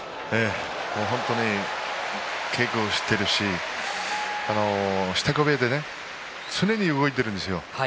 本当に稽古をしてるし支度部屋で常に動いているんですよ。